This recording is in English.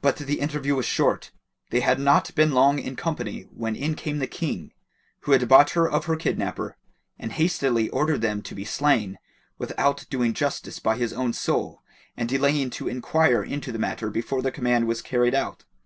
But the interview was short; they had not been long in company when in came the King, who had bought her of her kidnapper, and hastily ordered them to be slain, without doing justice by his own soul and delaying to enquire into the matter before the command was carried out.